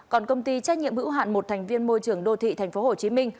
còn công ty trách nhiệm hữu hạn một thành viên môi trường đô thị tp hcm